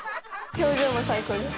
「表情も最高です」